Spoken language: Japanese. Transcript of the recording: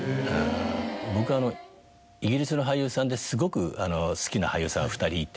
僕イギリスの俳優さんですごく好きな俳優さん２人いて。